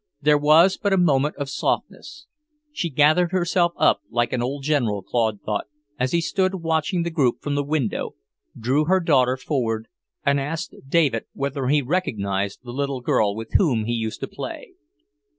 There was but a moment of softness. She gathered herself up like an old general, Claude thought, as he stood watching the group from the window, drew her daughter forward, and asked David whether he recognized the little girl with whom he used to play.